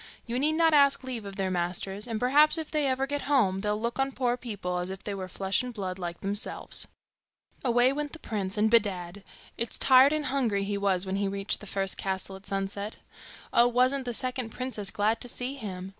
You need not ask leave of their masters; and perhaps if they ever get home, they'll look on poor people as if they were flesh and blood like themselves.' Away went the prince, and bedad! it's tired and hungry he was when he reached the first castle, at sunset. Oh, wasn't the second princess glad to see him!